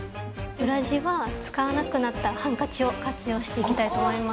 裏地は使わなくなったハンカチを活用していきたいと思います。